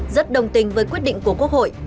rất đồng tình với quyết định của quốc hội